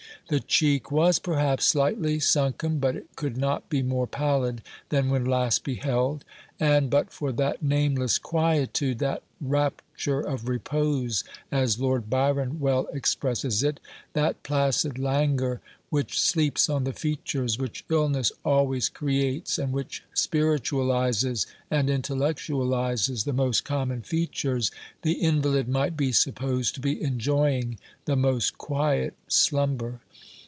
The cheek was, perhaps, slightly sunken, but it could not be more pallid than when last beheld; and but for that nameless quietude that "rapture of repose," as Lord Byron well expresses it that placid languor which sleeps on the features, which illness always creates and which spiritualizes and intellectualizes the most common features, the invalid might be supposed to be enjoying the most quiet slumber.